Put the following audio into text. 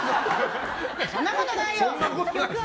そんなことないよ。